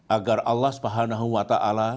agar allah swt